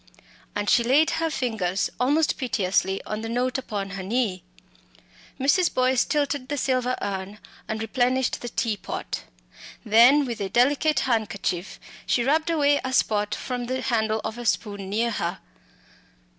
And she laid her fingers almost piteously on the note upon her knee. Mrs. Boyce tilted the silver urn and replenished the tea pot. Then with a delicate handkerchief she rubbed away a spot from the handle of a spoon near her.